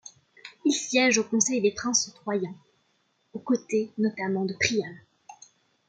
Il siège au conseil des princes troyens, aux côtés notamment de Priam.